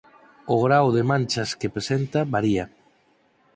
O grao de manchas que presenta varía.